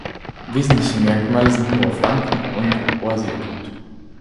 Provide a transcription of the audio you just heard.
Wesentliche Merkmale sind hoher Flammpunkt und hoher Siedepunkt.